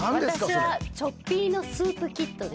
私はチョッピーノスープキットです。